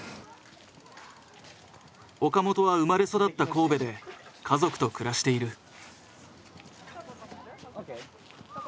岡本は生まれ育った神戸で家族と暮らしている。